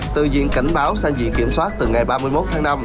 từ diện cảnh báo sang diện kiểm soát từ ngày ba mươi một tháng năm